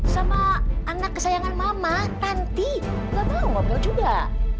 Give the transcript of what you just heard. sama anak kesayangan mama tanti nggak mau ngobrol juga